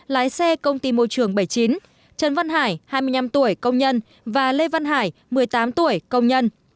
lái xe công ty môi trường bảy mươi chín trần văn hải hai mươi năm tuổi công nhân và lê văn hải một mươi tám tuổi công nhân